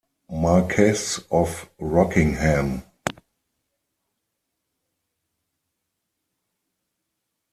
Marquess of Rockingham.